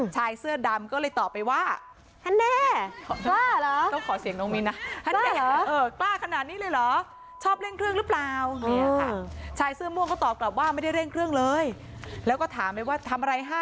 ชายเสื้อดำก็เลยตอบไปว่า